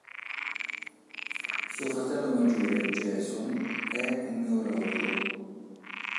Suo fratello maggiore, Jason, è un neurologo.